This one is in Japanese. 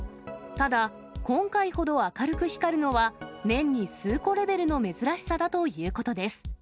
ただ、今回ほど明るく光るのは、年に数個レベルの珍しさだということです。